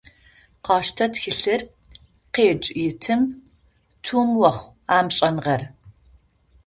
Къаштэ тхылъыр, къедж итым, тумы охъу а мышӏэныгъэр.